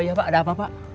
oh iya pak ada apa pak